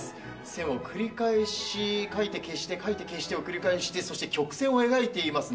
線を繰り返し書いて消して、描いて消してを送り返して、曲線を描いています。